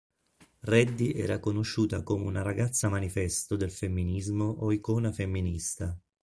Reddy era conosciuta come una "ragazza-manifesto" del femminismo o icona femminista.